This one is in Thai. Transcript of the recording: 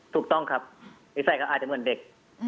ถูกต้องครับนิสัยก็อาจจะเหมือนเด็ก